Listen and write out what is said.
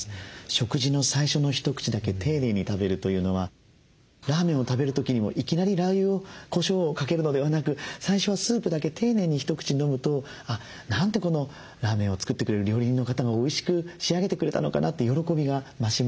食事の最初の一口だけ丁寧に食べるというのはラーメンを食べる時にもいきなりラー油をこしょうをかけるのではなく最初はスープだけ丁寧に一口飲むとなんてこのラーメンを作ってくれる料理人の方がおいしく仕上げてくれたのかなって喜びが増します。